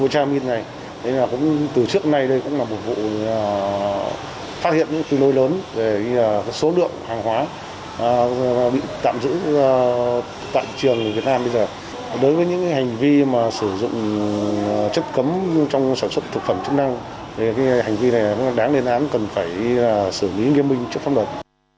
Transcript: tại trường việt nam bây giờ đối với những hành vi sử dụng chất cấm trong sản xuất thực phẩm chức năng hành vi này đáng lên án cần phải xử lý nghiêm minh trước phong đoạn